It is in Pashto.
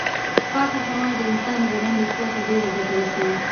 پاکه هوا د انسان د بدن روغتیا ته ډېره ګټه رسوي.